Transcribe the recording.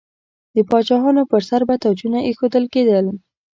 د پاچاهانو پر سر به تاجونه ایښودل کیدل.